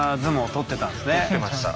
取ってました。